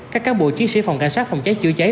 các cán bộ chiến sĩ phòng cảnh sát phòng cháy chữa cháy